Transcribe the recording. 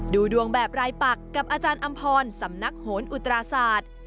ดูดวงแบบรายปักกับอาจารย์อำพรสำนักโหนอุตราศาสตร์